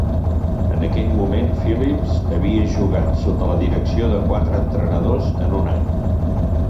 En aquell moment, Phillips havia jugat sota la direcció de quatre entrenadors en un any.